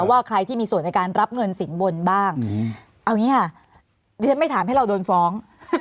ว่าใครที่มีส่วนในการรับเงินสินบนบ้างเอาอย่างนี้ค่ะดิฉันไม่ถามให้เราโดนฟ้อง